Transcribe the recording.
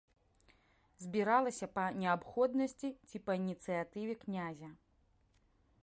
Збіралася па неабходнасці ці па ініцыятыве князя.